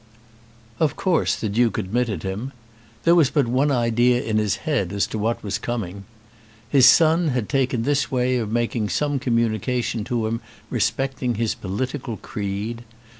Of course the Duke admitted him. There was but one idea in his head as to what was coming. His son had taken this way of making some communication to him respecting his political creed.